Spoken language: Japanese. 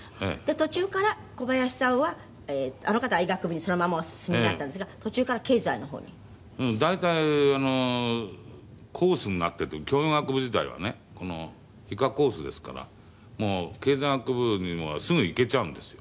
途中から小林さんはあの方は医学部にそのままお進みになったんですが途中から経済の方に？大体コースになってて慶應医学部時代はね医科コースですから経済学部にもすぐいけちゃうんですよ。